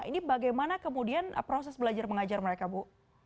ini bagaimana kemudian proses belajar mengajar mereka bu